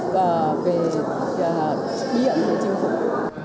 về bí ẩn của chim phụng